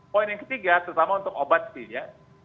poin yang ketiga sesama untuk obat sih ya